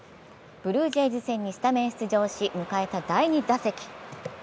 ブルージェイズ戦にスタメン出場し、迎えた第２打席。